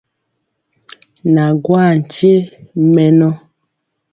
Na gwaa nkye mɛnɔ.